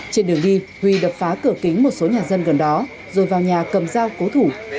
trên đường đi huy đập phá cửa kính một số nhà dân gần đó rồi vào nhà cầm dao cố thủ